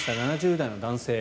７０代の男性。